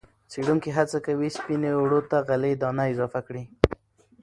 څېړونکي هڅه کوي سپینې اوړو ته غلې- دانه اضافه کړي.